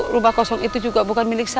rumah kosong itu juga bukan milik saya